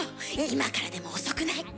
今からでも遅くない。